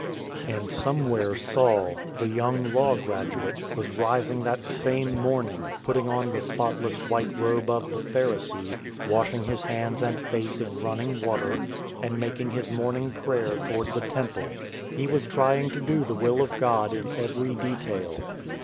And somewhere Saul, the young law graduate, was rising that same morning, putting on the spotless white robe of the Pharisee — washing his hands and face in running water, and making his morning prayer toward "WHOM SAY YE THAT I AM?" 65 the Temple. He was trying to do the will of God in every detail.